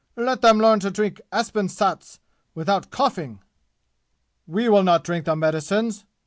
"Let them learn to drink Apsin Saats without coughing!" "We will not drink the medicines!"